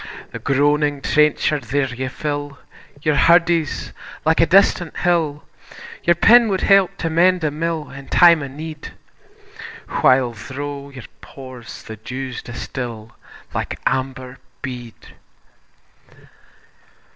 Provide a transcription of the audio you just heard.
The groaning trencher there ye fill, Your hurdies like a distant hill, Your pin wad help to mend a mill In time o' need, While thro' your pores the dews distil Like amber bead.